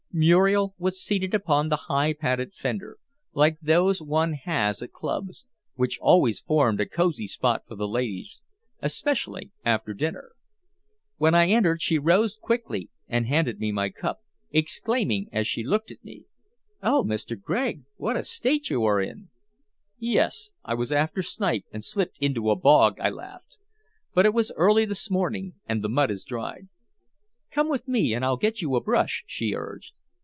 Muriel was seated upon the high padded fender like those one has at clubs which always formed a cosy spot for the ladies, especially after dinner. When I entered, she rose quickly and handed me my cup, exclaiming as she looked at me "Oh, Mr. Gregg! what a state you are in!" "Yes, I was after snipe, and slipped into a bog," I laughed. "But it was early this morning, and the mud has dried." "Come with me, and I'll get you a brush," she urged.